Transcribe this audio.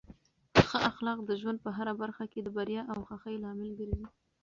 ښه اخلاق د ژوند په هره برخه کې د بریا او خوښۍ لامل ګرځي.